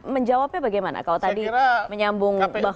menjawabnya bagaimana kalau tadi menyambung bahwa